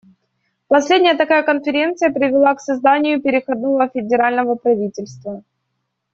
Последняя такая конференция привела к созданию переходного федерального правительства.